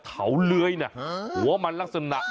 ที่นี่มันเสาครับ